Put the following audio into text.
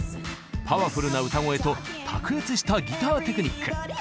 パワフルな歌声と卓越したギターテクニック。